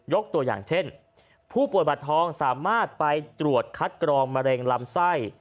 ตัวอย่างเช่นผู้ป่วยบัตรทองสามารถไปตรวจคัดกรองมะเร็งลำไส้